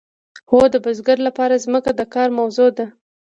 هو د بزګر لپاره ځمکه د کار موضوع ده.